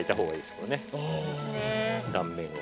断面を。